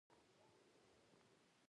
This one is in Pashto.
د بامیانو چک د زرګونه کلونو زیرمه ده